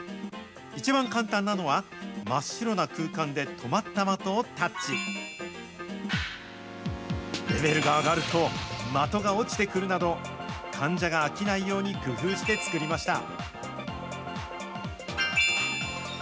一番簡単なのは、真っ白な空間で止まった的をタッチ。レベルが上がると、的が落ちてくるなど、患者が飽きないように工夫して作りました。